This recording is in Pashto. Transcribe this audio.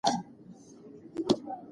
د دویم ماشوم زېږون کې احتمالي خطر شته.